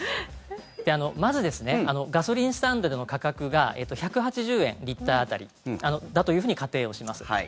まずガソリンスタンドでの価格が１８０円、リッター辺りだと仮定します。